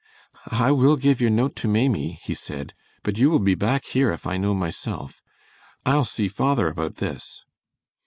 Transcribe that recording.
"I will give your note to Maimie," he said, "but you will be back here if I know myself. I'll see father about this."